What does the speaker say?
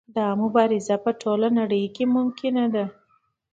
دا مبارزه په ټوله نړۍ کې ممکنه ده.